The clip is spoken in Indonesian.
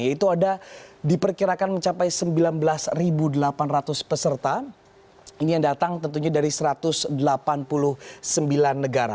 yaitu ada diperkirakan mencapai sembilan belas delapan ratus peserta ini yang datang tentunya dari satu ratus delapan puluh sembilan negara